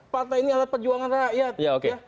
partai ini adalah perjuangan rakyat